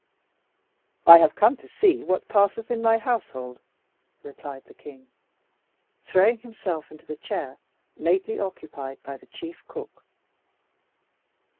"I have come to see what passeth in my household," replied the king, throwing himself into the chair lately occupied by the chief cook.